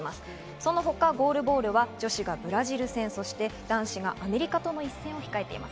その他、ゴールボールは女子がブラジル戦、男子がアメリカとの一戦を控えています。